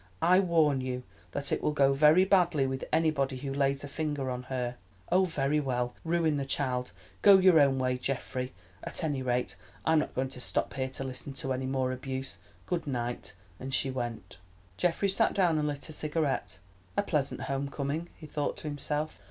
"I warn you that it will go very badly with anybody who lays a finger on her." "Oh, very well, ruin the child. Go your own way, Geoffrey! At any rate I am not going to stop here to listen to any more abuse. Good night," and she went. Geoffrey sat down, and lit a cigarette. "A pleasant home coming," he thought to himself.